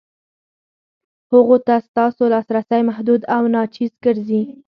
هغو ته ستاسو لاسرسی محدود او ناچیز ګرځي.